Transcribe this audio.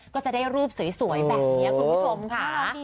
ก็จะได้รูปสวยแบบนี้คุณผู้ชมค่ะ